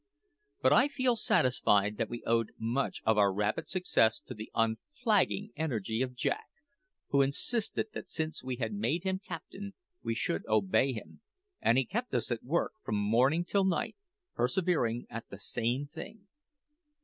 But I feel satisfied that we owed much of our rapid success to the unflagging energy of Jack, who insisted that since we had made him captain, we should obey him; and he kept us at work from morning till night, perseveringly, at the same thing.